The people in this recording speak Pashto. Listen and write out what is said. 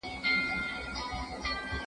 هغه په تېښته پهلوان د سورلنډیو لښکر